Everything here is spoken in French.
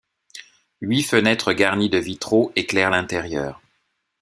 Huit fenêtres garnies de vitraux éclairent l'intérieur.